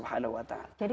jadi enggak ada alasan